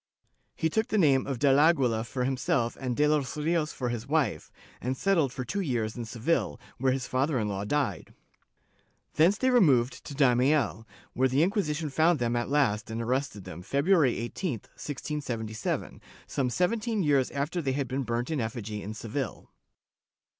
He took the name of del Aguila for himself and de los Rios for his wife, and settled for two years in Seville, where his father in law died. Thence they removed to Daimiel, where the Inquisition found them at last and arrested them, Feb ruary 18, 1677, some seventeen years after they had been burnt in effigy in Seville.